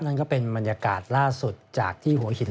นั่นก็เป็นบรรยากาศล่าสุดจากที่หัวหิน